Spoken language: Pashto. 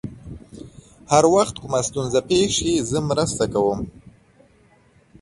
هر وخت کومه ستونزه پېښ شي، زه مرسته کوم.